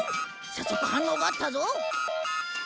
早速反応があったぞ！